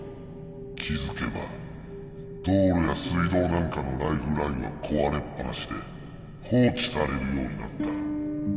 気付けば道路や水道なんかのライフラインは壊れっぱなしで放置されるようになった。